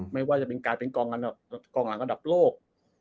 ไม่ว่าจะเป็นการเป็นกองหลังอันดับโลก